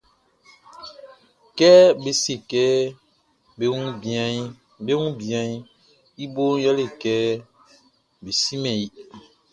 Kɛ be se kɛ be wun bianʼn, i boʼn yɛle kɛ be simɛn i.